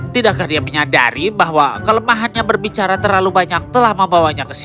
tidakkah dia menyadari bahwa kelemahannya berbicara terlalu banyak telah membawanya ke sini